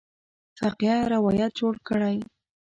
فقیه روایت جوړ کړی.